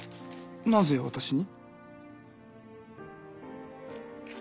なぜ私に？